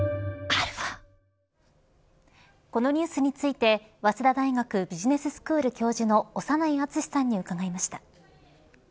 このニュースについて早稲田大学ビジネススクール教授の長内厚さんに伺いました。